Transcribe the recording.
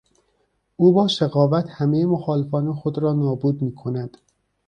او با شقاوت همهی مخالفان خود را نابود میکند.